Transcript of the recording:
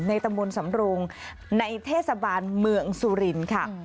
ในตำรวจสำรวงในเทศบาลเมืองสุรินค่ะ